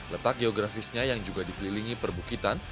letak geografisnya yang juga dikelilingi perbukitan